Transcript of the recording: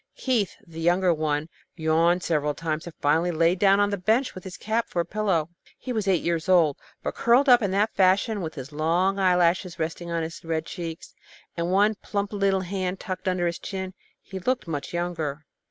Keith, the younger one, yawned several times, and finally lay down on the bench with his cap for a pillow. He was eight years old, but curled up in that fashion, with his long eyelashes resting on his red cheeks, and one plump little hand tucked under his chin, he looked much younger.